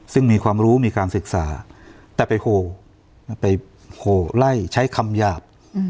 ซึ่งมีความรู้มีการศึกษาแต่ไปโหไปโหไล่ใช้คำหยาบ